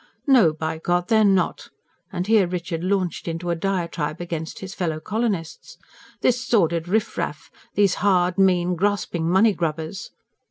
"No, by God, they're not!" And here Richard launched out into a diatribe against his fellow colonists: "This sordid riff raff! These hard, mean, grasping money grubbers!"